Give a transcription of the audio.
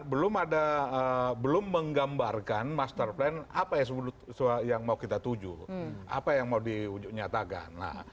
belum ada belum menggambarkan master plan apa yang mau kita tuju apa yang mau dinyatakan